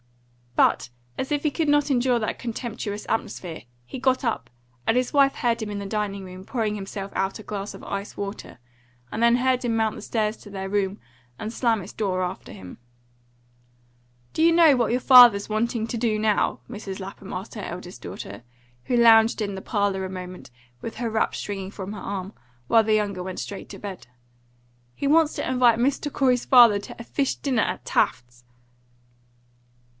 But as if he could not endure that contemptuous atmosphere, he got up, and his wife heard him in the dining room pouring himself out a glass of ice water, and then heard him mount the stairs to their room, and slam its door after him. "Do you know what your father's wanting to do now?" Mrs. Lapham asked her eldest daughter, who lounged into the parlour a moment with her wrap stringing from her arm, while the younger went straight to bed. "He wants to invite Mr. Corey's father to a fish dinner at Taft's!"